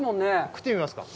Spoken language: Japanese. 食ってみますか？